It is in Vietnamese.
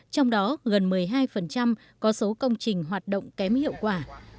trong đó gần một mươi hai có số công trình hoạt động kém hiệu quả